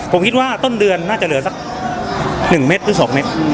ผมคิดว่าต้นเดือนน่าจะเหลือสัก๑เมตรหรือ๒เมตร